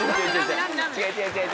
違う違う違う。